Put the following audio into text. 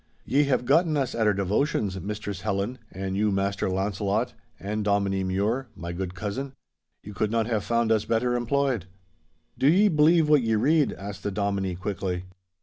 'Ye have gotten us at our devotions, Mistress Helen, and you Master Launcelot, and Dominie Mure—my good cousin. You could not have found us better employed.' 'Do ye believe what ye read?' asked the Dominie, quickly.